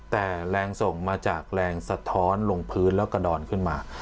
แต่แรงส่งมาจากแรงสะท้อนลงพื้นแล้วกระดอนขึ้นมา